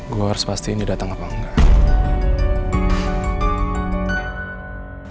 gue harus pastiin dia datang apa enggak